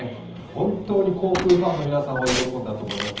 本当に甲府ファンの皆さんは喜んだと思います。